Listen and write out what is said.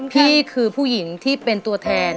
พี่คือผู้หญิงที่เป็นตัวแทน